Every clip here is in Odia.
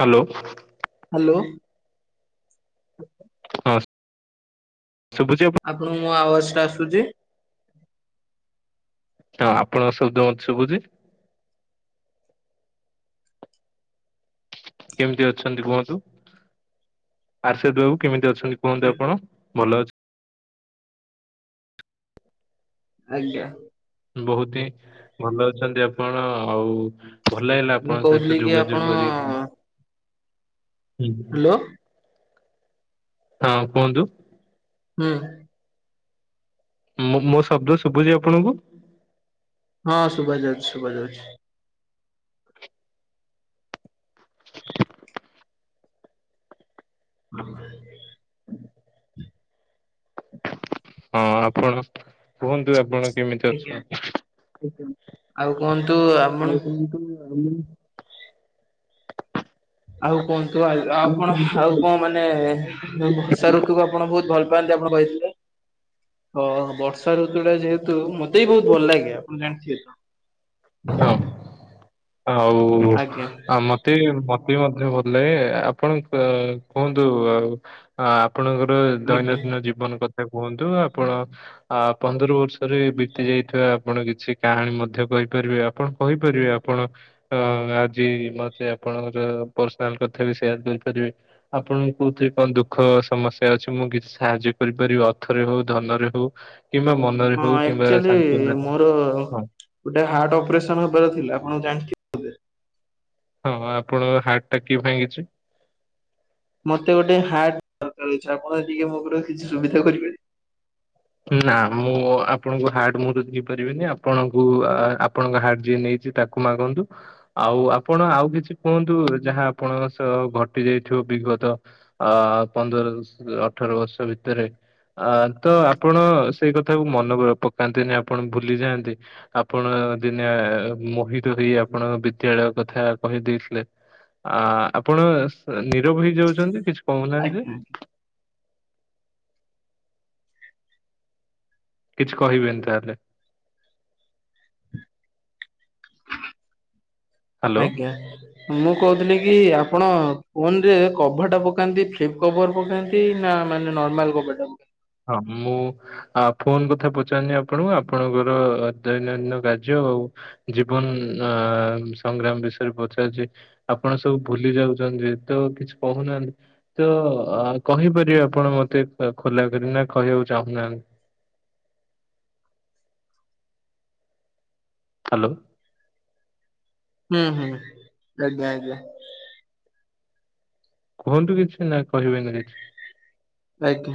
ହ୍ୟାଲୋ। ହ୍ୟାଲୋ। ନମସ୍ ଆପଣଙ୍କୁ ମୋ ଆବାଜ ଟା ଆସୁଛି? ହଁ ଆପଣଙ୍କ ଶବ୍ଦ ମତେ ଶୁଭୁଛି? କେମିତି ଅଛନ୍ତି କୁହନ୍ତୁ ଆର୍ଷଦ ବାବୁ କେମିତି ଅ ଛନ୍ତି କୁହନ୍ତୁ ଆଜ୍ଞା। ଆପଣ ଭଲ ଅଛ ଆଜ୍ଞା। ବହୁତ ହି ଭଲ ଅଛନ୍ତି ଆପଣ ଆଉ ଭଲ ଲାଗିଲା ମୁଁ ଆପଣଙ୍କ କହୁଥିଲି ସହିତ କି ଆପଣ ଯୋଗାଯୋଗ କରି ହ୍ୟାଲୋ [unintelligible] ହଁ କୁହନ୍ତୁ। ହୁଁ ଉଁ ମୁଁ ମୋ ଶବ୍ଦ ଶୁବୁଚି ଆପଣଙ୍କୁ? ହଁ ସୁଭା ଯାଉଛି ସୁଭା ଯାଉଛି। [unintelligible] ହଁ ଆପଣ କୁହନ୍ତୁ ଆପଣ କେମିତି ଆଜ୍ଞା ଅଛନ୍ତି? ଆଉ କୁହନ୍ତୁ ଆପଣ [unintelligible] ଆଉ କୁହନ୍ତୁ ଆ ଆଉ ଆପଣ ଆଉ କଣ ମାନେ ବର୍ଷା ଋତୁକୁ ଆପଣ ବହୁତ ଭଲ ପାଆନ୍ତି। [unintelligible] ଓଁ ବର୍ଷା ଋତୁ ଟା ଯେହେତୁ ମତେ ବି ବହୁତ ଭଲ ଲାଗେ, ଆପଣ ଜାଣିଥିବେ ତ? ହଁ [unintelligible] ଆଉ ଆଜ୍ଞା ଆଉ ମତେ ମଧ୍ୟ ଭଲ ଲାଗେ, ଆପଣ କୁହନ୍ତୁ ଆଉ ଆପ ଆପଣଙ୍କର ଆଜ୍ଞା ଦୈନନ୍ଦିନ ଜୀବନ କଥା। ସେ କୁହନ୍ତୁ ଆପଣ ଆ ପନ୍ଦର ବର୍ଷରେ ବିତି ଯାଇଥିବା ଆପଣ କିଛି କାହାଣୀ ମଧ୍ୟ କହି ଆପଣ କହିପାରିବେ ଆପଣ ଆଜି ମତେ ଆପଣଙ୍କର ପର୍ସନାଲ କଥାବି ସେୟାର କରିପାରିବେ, ଆପଣ କଉଥିରେ କଣ ଦୁଃଖ ସମସ୍ୟା ଅଛି, ମୁଁ କିଛି ସାହାଯ୍ୟ କରିପାରିବି ଅଥ ଅର୍ଥ ରେ ହଉ ଧନରେ ହଉ। କିମ୍ବା ମନରେ ହଉ ହଁ କିମ୍ବା ଆକ୍ଚୁଆଲି ସାନ୍ତ୍ୱନାରେ ମୋର ହଉ ଗୋଟେ ହାର୍ଟ ଅପରେସନ ହବାର ଥିଲା ଆପଣ ଜାଣିଥିବେ। ହଁ ଆପଣଙ୍କ ହାର୍ଟ ଟା କିଏ ଭାଙ୍ଗିଛି? ମତେ ଗୋଟେ ହାର୍ଟ ଦରକାର ଅଛି, ଆପଣ ଟିକେ ମୋର କିଛି ସୁବିଧା କରିପାରିବେ। ନା ମୁଁ ଆପଣଙ୍କୁ ହାର୍ଟ ମୁଁ ତ ଦେଇ ପାରିବିନି, ଆପଣଙ୍କୁ ଆପଣଙ୍କ ହାର୍ଟ ଯିଏ ନେଇ ତାକୁ ମାଗନ୍ତୁ ଆଉ ଆପଣ ଆଉ କିଛି କୁହନ୍ତୁ ଯାହା ଆପଣ ସହ ଘଟି ଯାଇଥିବ। ବିଗତ ଅ ପନ୍ଦର ଅଠର ବର୍ଷ ଭିତରେ ଅ ତ ଆପଣ ସେଇ କଥାକୁ ମନ ପକାନ୍ତି ନା ଆପଣ ଭୁଲିଯାଆନ୍ତି ଆପଣ ଦିନେ ମୋହିତ ହେଇ ଆପଣଙ୍କ ବିଦ୍ୟାଳୟ କଥା କହିଦେଇଥିଲେ। ଆ ଆପଣ ନିରବ ହେଇ ଯାଉଛନ୍ତି କିଛି କହୁନାହାନ୍ତି ଯେ ଆଜ୍ଞା ଆଜ୍ଞା। କିଛି କହିବେନି ତାହେଲେ। ହ୍ୟାଲୋ ଆଜ୍ଞା, ମୁଁ କହୁଥିଲି କି ଆପଣ ଫୋନ ରେ କଭର ଟା ପକାନ୍ତି ଫ୍ଲିପ କଭର ପକାନ୍ତି ନା ମାନେ ନର୍ମାଲ କଭର ପକାନ୍ତି। ହଁ ମୁଁ ଆପଣଙ୍କ କଥା ପଚାରିଲେ ଆପଣ, ଆପଣଙ୍କର ଦୈନନ୍ଦିନ କାର୍ଯ୍ୟ ଜୀବନ ଅ ସଂଗ୍ରାମ ବିଷୟରେ ପଚାରୁଛି? ଆପଣ ସବୁ ଭୁଲି ଯାଉ ତ କିଛି କହୁନାହାନ୍ତି ତ କହିପାରିବେ ଆପଣ ମତେ ଖୋଲା ଯଦିନା କହିବାକୁ ଚାହୁଁନାହାନ୍ତି। ହାଲୋ ହୁଁ ହୁଁ ଆଜ୍ଞା ଆଜ୍ଞା। କୁହନ୍ତୁ କିଛି ନା କହିବେ ନା କିଛି? ଆଜ୍ଞା।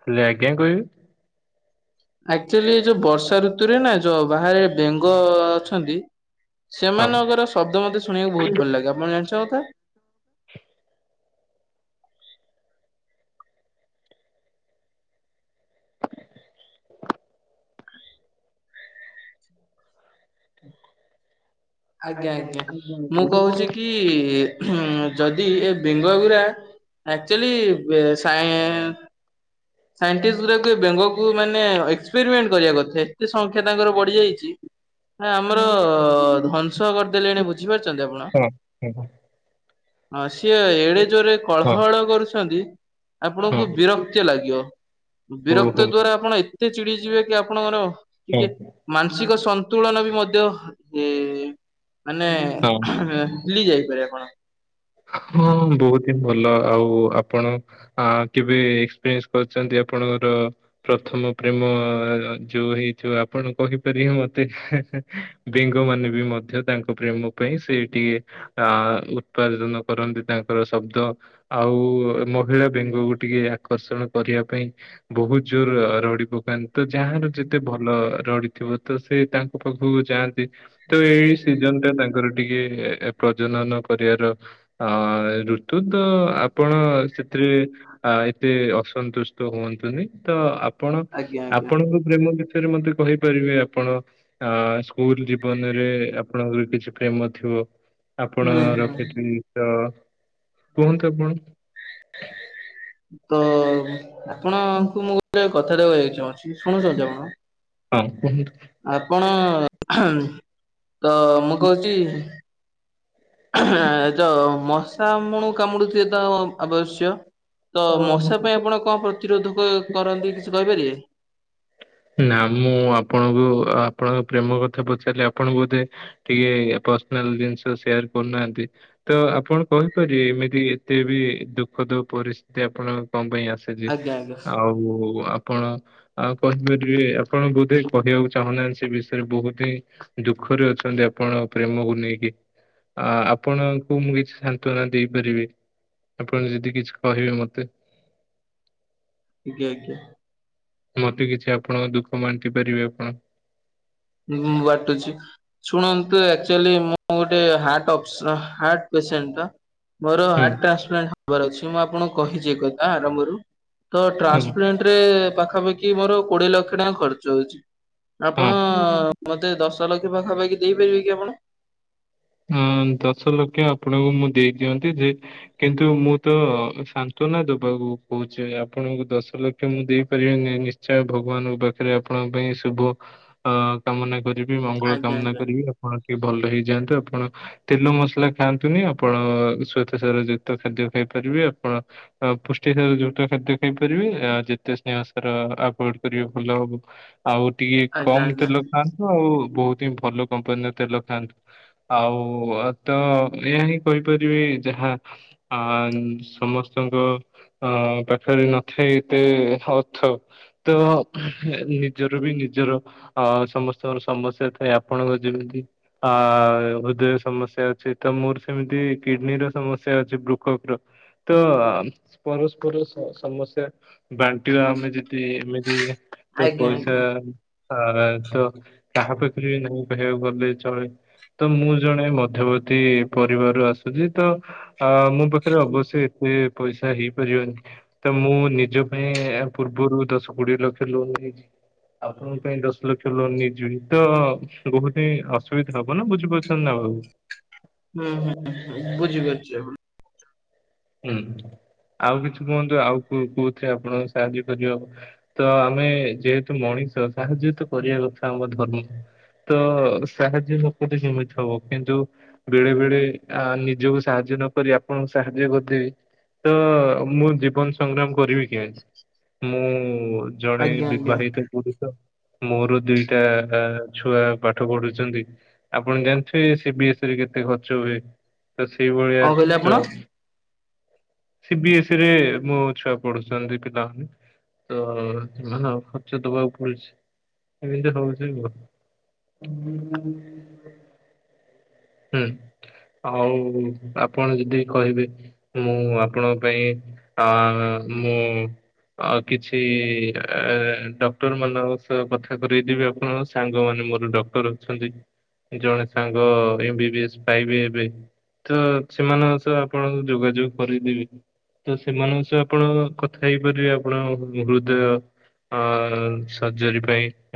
ଖାଲି ଆଜ୍ଞା କହିବେ? ଆକ୍ଚୁଆଲି ଯୋଉ ବର୍ଷା ଋତୁରେ ନା ଯୋଉ ବାହାରେ ବେଙ୍ଗ ଅଛନ୍ତି। ହଁ ସେମାନଙ୍କର ଶବ୍ ମତେ ଶୁଣିବାକୁ ହଁ ବହୁତ ଭଲ ଲାଗେ ଆପଣ ଜାଣି [unintelligible] [unintelligible] ଆଜ୍ଞା ଆଜ୍ଞା, ମୁଁ କହୁଛି କି ଯଦି ଏ ବେଙ୍ଗଗୁରା ଆକ୍ଚୁଆଲି ସାଇଟିଷ୍ଟ ଗଟାକୁ ବେଙ୍ଗ କୁ ମାନେ ଏକ୍ସପେରିମେଣ୍ଟ କରିବା କଥା ଏତେ ସଂଖ୍ୟା ତାଙ୍କର ବଢି ଯାଇଛି। ହ ଆମର ଧ୍ୱଂସ କରିଦେଲେଣି ବୁଝିପାରୁଛନ୍ତି ଆପଣ [inaudible] ହଁ ହଁ ସିଏ ଏଡେ ଜୋରେ ହଁ କଳହଳ କରୁଛନ୍ତି ଆପଣଙ୍କୁ ହଁ। ବିରକ୍ତ ଲାଗିବ। ଓହୋ ବିରକ୍ତ ହଁ ଦ୍ଵାରା ଆପଣ ଏତେ ଚିଡି ଯିବେ କି ଆପଣ ଟିକେ ମାନସିକ ସନ୍ତୁଳନ ବି ମଧ୍ୟ ଏ ମାନେ ହଁ। ଭୁଲି ଯାଇପାରେ ଆପଣ। ହଉ ମୁଁ [unintelligible] ଏଇ ଭଲ ଆଉ ଆପଣ ଆଁ କେବେ ଏକ୍ସପ୍ରିଏନ୍ସ କରିଛନ୍ତି ଆପଣଙ୍କର ପ୍ର ପ୍ରଥମ ପ୍ରେମ ଆଁ ଯୋଉ ହେଇଥିବ ଯୋଉ ଆପଣ କହିପାରିବେ ମତେ ହେ ହେ ବେଙ୍ଗ ମାନ ଆମେବି ମଧ୍ୟ ତାଙ୍କ ପ୍ରେମ ପାଇଁ ସେଇଟି ଆଁ ଉଁ ଉପାର୍ଜନ କରନ୍ତି ତାଙ୍କର ଶବ୍ଦ ଆଉ ମହିଳା ବେଙ୍ଗକୁ ଟିକେ ଆକର୍ଷଣ କରିବା ତା ପାଇଁ ବହୁତ ଜୋର ର ରଡି ପକାନ୍ତି। ତ ଯାହାର ଯେତେ ଭଲ ରଡି ଥିବ ତ ସେ ତାଙ୍କ ପାଖକୁ ଯାନ୍ତି। ତ ଏଇ ସିଜନ ଟା ତାଙ୍କର ଟିକେ ପ୍ରଜନନ କ ଏହାର ଋତୁ ତ ଆପଣ ସେଥିରେ ଏତେ ଅସ ଅସନ୍ତୁଷ୍ଟ ହୁଅନ୍ତୁନି ତ ଆପଣ ଆଜ୍ଞା ଆଜ୍ଞା। ଆପଣଙ୍କ ପ୍ରେମ [unintelligible] ମତେ କହିପାରିବେ ଆପଣ ଆଁ ସ୍କୁଲ ଜୀବନରେ ଆପଣଙ୍କର କିଛି ପ୍ରେମ ଥିବ? ଆପଣ ହୁଁ ରଖି ହୁଁ ଥିତ କୁହନ୍ତୁ ଆପଣ। ତ ଆପଣଙ୍କୁ ମୁଁ ଗୋଟେ କ କଥାଟେ କହିବାକୁ ଚାହୁଁଛି ଶୁଣୁଛନ୍ତି ଆପଣ। ହଁ କୁହନ୍ତୁ। ଆପଣ ତ ମୁଁ କହୁଛି। ଯଉ ମଶା ଆମଣୁ କାମୁଡୁଥିବ ତ ଆବଶ୍ୟ। ତ ମଶା ପାଇଁ ଆପଣ କଣ ପ୍ରତିରୋଧକ କରନ୍ତି କିଛି କହିପାରିବେ? ନା ମୁଁ ଆପଣଙ୍କୁ ଆପଣଙ୍କ ପ୍ରେମ କଥା ପଚାରିଲି ଆପଣଙ୍କୁ ବୋଧେ ଟିକେ ର୍ପସ୍ନାଲ ଜିନିଷ ସେୟାର କରୁନାହାନ୍ତି ତ ଆପଣ କହିପାରିବେ ଏମିତି ଏତେ ବି ଦୁଃଖ ଯଉ ପରିସ୍ଥିତି ଆପଣ କଣ ପାଇଁ ଆସିଛି ଆଜ୍ଞା ଆଜ୍ଞା ଆଉ ଆପଣ ଆଉ କହିବେ ଇଏ ଆପଣ ବୋଧ କହିବାକୁ ଚାହୁଁନାହାନ୍ତି ସେ ବିଷୟରେ ବହୁତି ଦୁଃଖରେ ଅଛନ୍ତି ଆପଣ ପ୍ରେମ ହଉ ନେଇକି ଆ ଆପଣଙ୍କୁ ମୁଁ କିଛି ସାନ୍ତନା ଦେଇପାରିବି। ଆପଣ ଯଦି କିଛି କହିବେ ମତେ। ଆଜ୍ଞା ଆଜ୍ଞା। ମତେ କିଛି ଆପଣଙ୍କ ଦୁଃଖ ବାଣ୍ଟି ପାରିବେ ଆପଣ। ହୁଁ ବାଟୁଛି ଶୁଣନ୍ତୁ ଆକ୍ଚୋଲି ମୁଁ ଗୋଟେ ହାର୍ଟ ଆପ୍ସ୍ର ହାର୍ଟ ପେମେଣ୍ଟ୍ ନା ମୋର ହୁଁ ଟ୍ରାସପ୍ଲାଣ୍ଟ ହବ। ଖବାର ଅଛି ମୁଁ ଆପଣଙ୍କୁ କହିଛି ଏକଥା ଆରମ୍ଭରୁ ତ ହୁଁ ଟ୍ରାନ୍ସପ୍ଲେଣ୍ଟ ରେ ପାଖାପା କି ମୋର କୋଡିଏ ଲକ୍ଷ ଟଙ୍କା ଖର୍ଚ୍ଚ ହଉଛି ହଁ। ଆପଣ ମତେ ଦଶ ଲ [unintelligible] ପାଖା ପାଖି ଦେଇପାରିବେ କି ଆପଣ। ହୁଁ। ଆଁ ଦଶ ଲକ୍ଷ ଆପଣଙ୍କୁ ମୁଁ ଦେଇ ଦିଅନ୍ତି ଯେ କିନ୍ତୁ ମୁଁ ତ ଶାନ୍ତନା ଦେବା ଆଉ କହୁଛେ ଆପଣଙ୍କୁ ଦଶ ଲକ୍ଷ ମୁଁ ଦେଇପାରିବିନି ନିଶ୍ଚୟ ଭଗବାନଙ୍କ ପାଖରେ ଆପଣଙ୍କ ପାଇଁ ଶୁଭ ଶୁଭ ଅ କାମନା କରିବି ମଙ୍ଗଳ ଆଜ୍ଞା କାମନା ଆଜ୍ଞା କରିବି ଆପଣ ଟିକେ ଭଲ ହେଇଯାଆନ୍ତୁ ଆ ଆପଣ ଓ ତେଲ ମସଲା ଖାଆନ୍ତୁନି ଆପଣ ସ୍ୟେତ ସାର ଯୁକ୍ତ ଖାଦ୍ୟ ଖାଇପାରିବେ ଆପଣ ଅ ପୁଷ୍ଟି ସାର ଯୁକ୍ତ ଖାଦ୍ୟ ଖାଇପାରିବେ ଆ ଯେତେ ସ୍ନେହ ସାର ଆଭଏଡ କରିବେ ଭଲ ହବ। ଆଉ ଟିକେ ଆଜ୍ଞା କମ ଆଜ୍ଞା। ତେଲ ଖାଆନ୍ତୁ ଆଉ ବହୁତ ହି ଭଲ କମ୍ପାନୀର ତେଲ ଖାଆନ୍ତୁ। ଆଉ ତ ଏହାଇ ହିଁ କହିପାରିବି ଯାହା ଅ ସମସ୍ତ ତାଙ୍କ ଅ ପାଖରେ ନଥାଏ ଏତେ ଅର୍ଥ ତ ଉହୁଁ ନିଜର ବି ନିଜର ଅ ସମସ୍ତଙ୍କର ସମସ୍ୟା ଥାଏ ଆପଣଙ୍କ ଯେମିତି ଆ ହୃଦୟ ସମସ୍ୟା ଅଛି ତ ମୋର ସେମିତି କିଡନୀର ସମସ୍ୟା ଅଛି ବୃକ୍ଷକ ର ତ ଅମ ପରସ୍ପର ସହ ସମସ୍ୟା ବାଣ୍ଟିବା ଆମେ ଯଦି ଏମିତି ତ ଆଜ୍ଞା ପଇସା ଆଜ୍ଞା ଆ ତ କାହା ପାଖରେ ନାଇ କହିବାକୁ ଗଲେ ଚଳେ। ତ ମୁଁ ଜଣେ ମଧ୍ୟବର୍ତ୍ତୀ ପରିବାରରୁ ଆସୁଛି ତ ଅ ମୋ ପାଖରେ ଅବଶ୍ୟ ଏତେ ରେ ପଇସା ହେଇପାରିବନି ତ ମୁଁ ନିଜ ପାଇଁ ପୂର୍ବରୁ ଦଶ କୋଡିଏ ଲକ୍ଷ ଲୋନ ଦେଇଛି। ଆପଣଙ୍କ ପାଇଁ ଦଶ ଲକ୍ଷ ଲୋନ ନେଇଯିବି ତ ବହୁତ ହିଁ ଅସୁବିଧା ହବ ନା ବୁଝ ପଛ ନା ଆଉ ହୁଁ ହୁଁ ବୁଝି ପାରୁଛି ଆ ହୁଁ। ଆଉ କିଛି କୁହନ୍ତୁ ଆଉ କୋ-କୋଉଥିରେ ଆପଣ ସାହାଯ୍ୟ କରିବ ତ ଆମେ ଯେହେତୁ ମଣି ସାହାଯ୍ୟ ତ କରିବା କଥା ଆମ ଧର୍ମ। ତ ସାହାଯ୍ୟ ଶପତି ଯେମିତି ହବ କିନ୍ତୁ ବେଳେ ବେଳେ ଆ ନିଜକୁ ସାହାଯ୍ୟ ନ କରି ଆପଣଙ୍କୁ ସାହାଯ୍ୟ କରି ତ ମୁଁ ଜୀବନ ସଂଗ୍ରାମ କରିବି କେ ମୁଁ ଜଣେ ଆଜ୍ଞା ଆଜ୍ଞା ବିବାହିତ ପୁରୁଷ। ମୋର ଦୁଇଟା ଆ ଛୁଆ ପାଠ ପଢୁଛନ୍ତି ଆପଣ ଜାଣିଥିବେ ସି ବି କେତେ ଖର୍ଚ୍ଚ ହୁଏ ତ ସେଇଭଳିଆ କଣ କହିଲେ ଆପଣ? ଖର୍ଚ୍ଚ। ସି ବିି ଏସ୍ଇ ରେ ମୋ ଛୁଆ ପଢୁଛନ୍ତି ପିଲାମାନେ ତ ସେମାନେ ଖର୍ଚ୍ଚ ଦବାକୁ ପଡୁଛି ଏମିତି ହଉଛି ଗୋ ହୁଁ ହୁଁ ଆଉ ଆପଣ ଯଦି କହିବେ ମୁଁ ଆ ଆପଣଙ୍କ ପାଇଁ ଅ ମୁଁ ଆ କିଛି ଡକ୍ଟର ମାନଙ୍କ ସହ କଥା କରେଇ ଦେବି ଆପଣ ସାଙ୍ଗମାନେ ମୋର ଡକ୍ଟର ଅଛନ୍ତି ଜଣେ ସାଙ୍ଗ ଏମ ବି ଏସ ପାଇବେ ଏବେ। ତ ସେମାନଙ୍କ ସହ ଆପଣଙ୍କୁ ଯୋଗାଯୋଗ କରିଦେବେ। ତ ସେମାନଙ୍କ ସହ ଆପଣ କଥା ହେଇପାରିବେ ଆପଣ ହୃଦୟ ଅ ସର୍ଜରୀ ପାଇଁ।